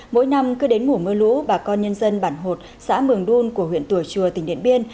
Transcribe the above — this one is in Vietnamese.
mỗi năm cứ đến mùa mưa lũ bà con nhân dân bản hột xã mường đun của huyện tùa chùa tỉnh điện biên